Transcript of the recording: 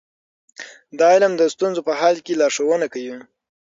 دا علم د ستونزو په حل کې لارښوونه کوي.